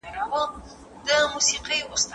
خو د خولې له خلاصېدو سره خطا سو